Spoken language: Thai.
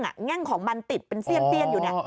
แง่งของมันติดเป็นเสี้ยนอยู่เนี่ย